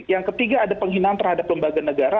yang ketiga ada penghinaan terhadap lembaga negara